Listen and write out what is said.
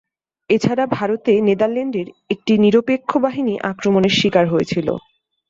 এছাড়া ভারতে নেদারল্যান্ডের একটি নিরপেক্ষ বাহিনী আক্রমণের শিকার হয়েছিল।